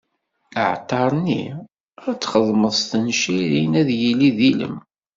Aɛalṭar-nni? ad t-txedmeḍ s tencirin, ad yili d ilem.